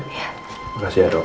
makasih ya dok